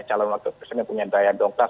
calon wakil presiden punya daya dongklak